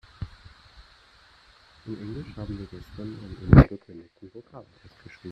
In Englisch haben wir gestern einen unangekündigten Vokabeltest geschrieben.